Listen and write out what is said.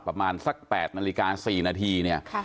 ประมาณสัก๘นาฬิกา๔นาทีเนี่ย